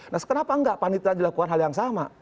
nah kenapa nggak panitera dilakukan hal yang sama